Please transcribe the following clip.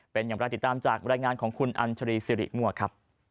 เป็นอย่างไรติดตามจากรายงานของคุณอันทรีย์ซิริมวะ